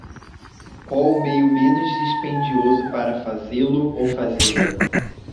Qual o meio menos dispendioso para fazê-lo ou fazê-la?